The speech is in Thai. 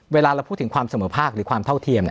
เวลาเราพูดถึงความเสมอภาคหรือความเท่าเทียม